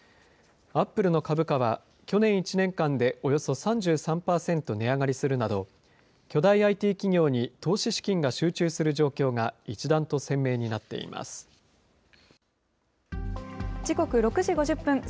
アップルの株価は去年１年間でおよそ３３％値上がりするなど、巨大ＩＴ企業に投資資金が集中する状況が一段と鮮明になっていま時刻６時５０分。